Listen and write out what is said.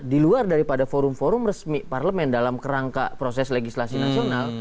di luar daripada forum forum resmi parlemen dalam kerangka proses legislasi nasional